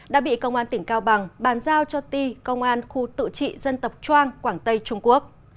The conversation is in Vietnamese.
đã bị công an tỉnh cao bằng bàn giao cho ti công an khu tự trị dân tộc trang quảng tây trung quốc